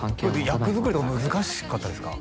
役づくりとか難しかったですか？